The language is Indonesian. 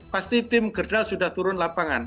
pasti tim gerdal sudah turun lapangan